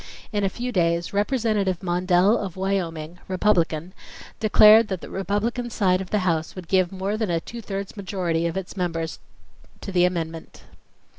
In a few days, Representative Mondell of Wyoming, Republican, declared that the Republican side of the House would give more than a two thirds majority of its members to the amendment.